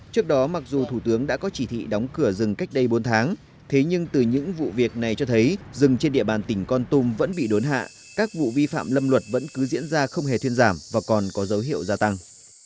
trước đó mặc dù thủ tướng đã có chỉ thị đóng cửa rừng cách đây bốn tháng thế nhưng từ những vụ việc này cho thấy rừng trên địa bàn tỉnh con tum vẫn bị đốn hạ các vụ vi phạm lâm luật vẫn cứ diễn ra không hề thuyên giảm và còn có dấu hiệu gia tăng